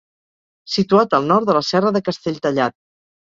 Situat al nord de la serra de Castelltallat.